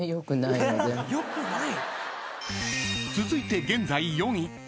［続いて現在４位］